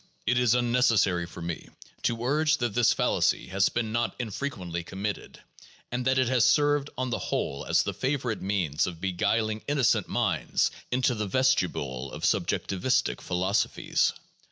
It is unnecessary for me to urge that this fallacy has been not infrequently committed, and that it has served on the whole as the favorite means of beguiling innocent minds into the vestibule of subjectivistic philosophies.